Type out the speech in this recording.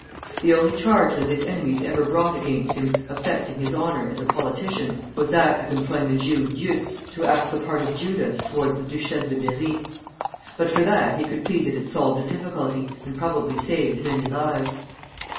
The only charge that his enemies ever brought against him affecting his honor as a politician was that of employing the Jew Deutz to act the part of Judas towards the Duchesse de Berri; but for that he could plead that it solved a difficulty, and probably saved many lives.